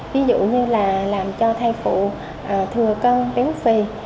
ví dụ như là làm cho thai phụ thừa cân béo phì